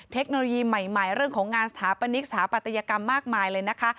เทคโนโลยีใหม่เรื่องของงานสถาปนิกสถาปัตยกรรมมากมายเลยนะคะ